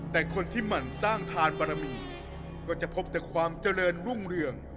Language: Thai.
แต่คนที่หมั่นสร้างทานบารมีก็จะพบแต่ความเจริญรุ่งเรือง